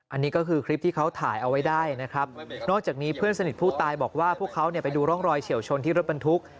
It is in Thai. อันนี้ก็คือคลิปที่เขาถ่ายเอาไว้ได้นะครับนอกจากนี้เพื่อนสนิทผู้ตายบอกว่าพวกเขาเนี่ยไปดูร่องรอยเฉียวชนที่รถบรรทุก